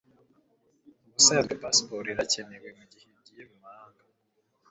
Ubusanzwe pasiporo irakenewe mugihe ugiye mumahanga